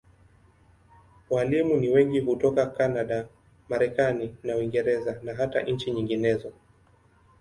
Walimu ni wengi hutoka Kanada, Marekani na Uingereza, na hata nchi nyinginezo.